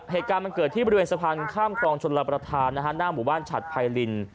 เหตุการณ์มันเกิดที่บริเวณสะพานข้ามคลองชนรับประทานหน้าหมู่บ้านฉัดไพริน